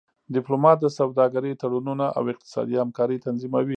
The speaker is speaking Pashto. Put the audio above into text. ډيپلومات د سوداګری تړونونه او اقتصادي همکاری تنظیموي.